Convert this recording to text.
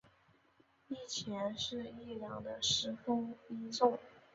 一钱是一两的十分一重。